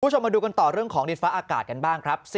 คุณผู้ชมมาดูกันต่อเรื่องของดินฟ้าอากาศกันบ้างครับ